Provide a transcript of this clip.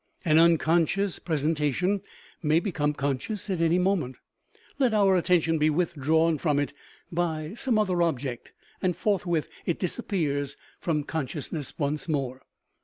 An unconscious pres entation may become conscious at any moment; let our attention be withdrawn from it by some other ob ject, and forthwith it disappears from consciousness once more.